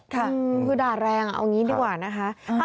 คือด่าแรงเอาอย่างนี้ดีกว่านะคะ